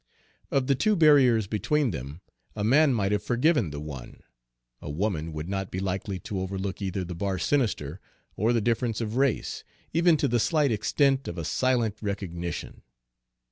Of the two barriers between them a man might have forgiven the one; a woman would not be likely to overlook either the bar sinister or the difference of race, even to the slight extent of a silent recognition.